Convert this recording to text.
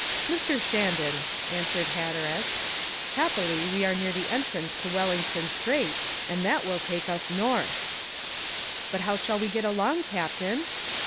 "Mr. Shandon," answered Hatteras, "happily we are near the entrance to Wellington Strait, and that will take us north!" "But how shall we get along, captain?"